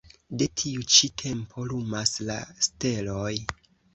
De tiu ĉi tempo lumas la steloj.